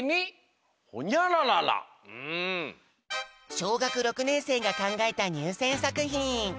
しょうがく６ねんせいがかんがえたにゅうせんさくひん。